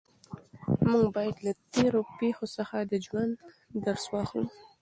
موږ باید له تېرو پېښو څخه د ژوند درس واخلو.